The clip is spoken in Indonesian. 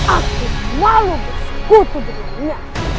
aku malu bersekutu dengan nyai